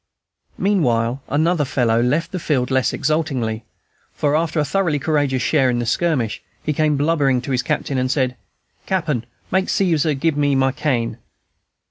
Meanwhile, another fellow left the field less exultingly; for, after a thoroughly courageous share in the skirmish, he came blubbering to his captain, and said, "Cappen, make Caesar gib me my cane."